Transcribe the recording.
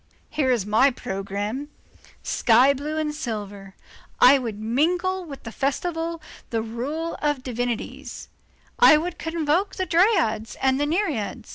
Here is my programme: sky blue and silver. I would mingle with the festival the rural divinities, I would convoke the Dryads and the Nereids.